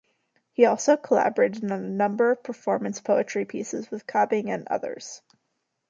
He also collaborated on a number of performance poetry pieces with Cobbing and others.